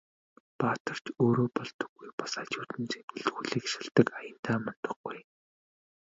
Баатар ч өөрөө болдоггүй, бас хажууд нь зэмлэл хүлээх шалтаг аяндаа мундахгүй.